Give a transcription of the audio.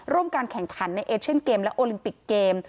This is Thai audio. การแข่งขันในเอเชียนเกมและโอลิมปิกเกม